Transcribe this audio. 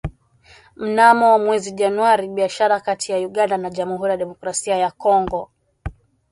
Mnamo mwezi Januari biashara kati ya Uganda na Jamuhuri ya Demokrasia ya Kongo